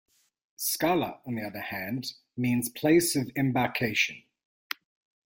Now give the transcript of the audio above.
Skala, on the other hand, means place of embarkation.